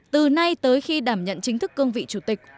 từ nay tới khi đảm nhận chính thức cương vị chủ tịch